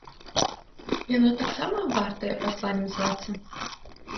Яно таксама вартае пасланнем звацца?